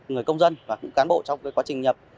người công dân và cũng cán bộ trong quá trình nhập